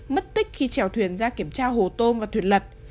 mất tích khi trèo thuyền ra kiểm tra hồ tôm và thuyền lật